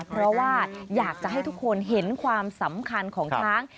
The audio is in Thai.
เพราะว่าอยากจะให้ทุกคนเห็นความสำคัญของช้าง